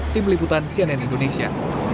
tim liputan cnn indonesia